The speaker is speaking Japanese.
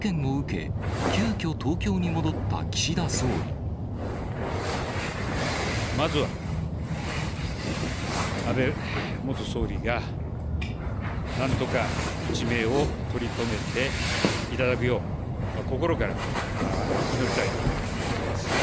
事件を受け、まずは、安倍元総理が、なんとか一命を取り留めていただくよう、心から祈りたいと思っています。